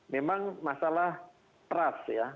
memang masalah trust ya